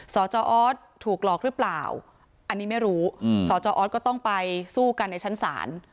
จออสถูกหลอกหรือเปล่าอันนี้ไม่รู้สจออสก็ต้องไปสู้กันในชั้นศาล